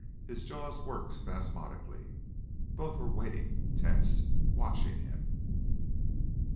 His jaws worked spasmodically. Both were waiting, tense, watching him.